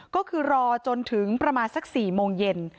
ก็คือรอจนถึงประมาณสัก๔โมงเย็น